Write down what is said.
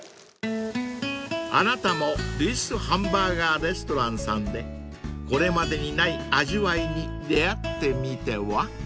［あなたもルイスハンバーガーレストランさんでこれまでにない味わいに出合ってみては？］